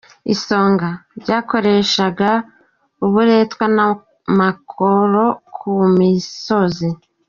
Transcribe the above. Ibisonga : Byakoreshaga uburetwa n’amakoro ku misozi.